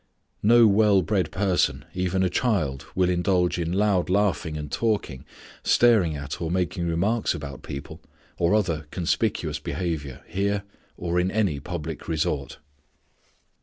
No well bred person, even a child, will indulge in loud laughing and talking, staring at or making remarks about people, or other conspicuous behavior here or in any public resort.